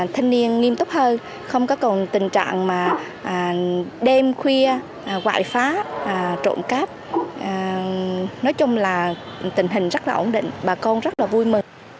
thanh niên nghiêm túc hơn không có còn tình trạng mà đêm khuya quại phá trộn cắp nói chung là tình hình rất là ổn định bà con rất là vui mừng